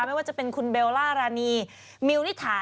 ไม่ว่าจะเป็นคุณเบลล่ารานีมิวนิถา